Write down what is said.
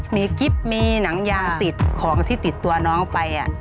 มีกิ๊บมีหนังยางติดของที่ติดตัวน้องไป